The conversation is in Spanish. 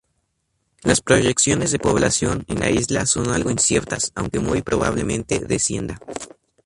Las proyecciones de población en la isla son algo inciertas, aunque muy probablemente descienda.